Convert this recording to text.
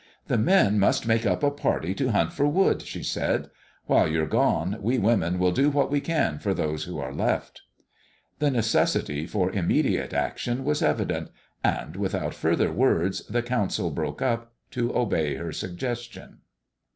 "The men must make up a party to hunt for wood," she said. "While you're gone, we women will do what we can for those who are left." The necessity for immediate action was evident, and without further words the council broke up, to obey her suggestion.